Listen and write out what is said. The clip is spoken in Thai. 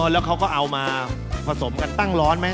แล้วเขาก็เอามาผสมกันตั้งร้อนไหม